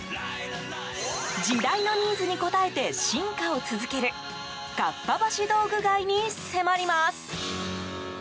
時代のニーズに応えて進化を続けるかっぱ橋道具街に迫ります。